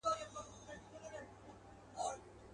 له دې مخلوق او له دې ښار سره مي نه لګیږي.